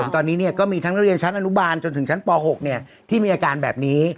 ตอนนี้ก็มีทั้งนักเรียนชั้นอนุบาลจนถึงชั้นป๖ที่มีอาการแบบนี้